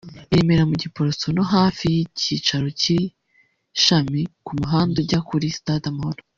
i Remera mu Giporoso no hafi y’icyicaro cy’iri shami ku muhanda ujya kuri stade Amahoro